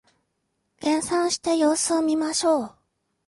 減産して様子を見ましょう